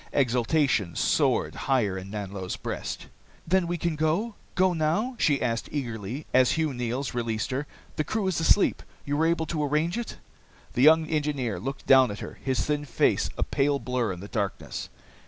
Exultation soared higher in Nanlo's breast. "Then we can go? Go now?" she asked eagerly, as Hugh Neils released her. "The crew is asleep? You were able to arrange it?" The young engineer looked down at her, his thin face a pale blur in the darkness.